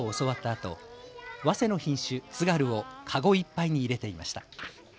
あとわせの品種、つがるをかごいっぱいに入れていました。